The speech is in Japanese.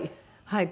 はい。